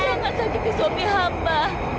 jangan sakiti suami hamba